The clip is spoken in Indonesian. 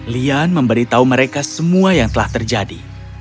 lian memberitahu mereka semua yang telah terjadi